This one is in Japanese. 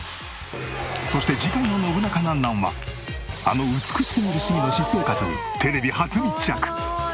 そして次回の『ノブナカなんなん？』はあの美しすぎる市議の私生活にテレビ初密着。